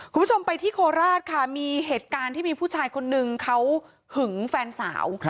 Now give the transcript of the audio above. คุณผู้ชมไปที่โคราชค่ะมีเหตุการณ์ที่มีผู้ชายคนนึงเขาหึงแฟนสาว